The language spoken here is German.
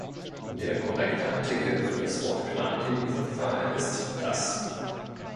Der korrekte Artikel für das Wort "Kleid" in diesem Fall ist "das".